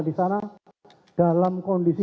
di sana dalam kondisi